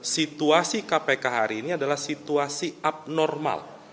situasi kpk hari ini adalah situasi abnormal